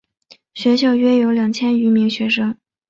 学校约有两千余名学生。